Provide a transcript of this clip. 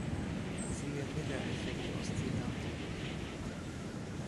Siehe Millereffekt-Oszillator.